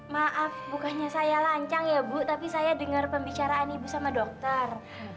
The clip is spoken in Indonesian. maaf bukannya saya lancang ya bu tapi saya dengar pembicaraan ibu sama dokter